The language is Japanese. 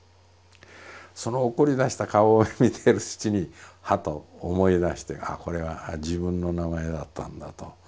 その怒りだした顔を見ているうちにハッと思い出してあこれは自分の名前だったんだと。